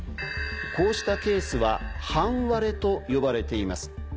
こうしたケースは「半割れ」と呼ばれています。